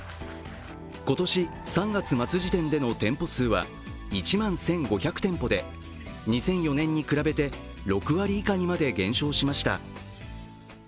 今年３月末時点での店舗数は１万１５００店舗で２００４年に比べて６割以下にまで減少しました。